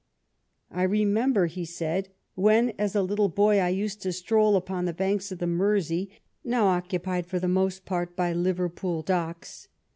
" I remember," he said, " when as a little boy I used to stroll upon the sands of the Mersey, now occupied for the most part by Liverpool docks.